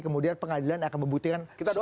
kemudian pengadilan akan membuktikan